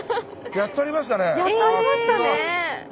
やっとありましたね。